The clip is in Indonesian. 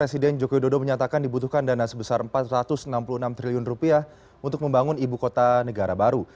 presiden joko widodo menyatakan dibutuhkan dana sebesar rp empat ratus enam puluh enam triliun untuk membangun ibu kota negara baru